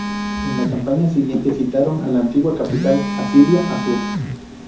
En la campaña siguiente, sitiaron la antigua capital asiria, Assur.